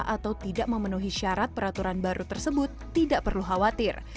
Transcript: atau tidak memenuhi syarat peraturan baru tersebut tidak perlu khawatir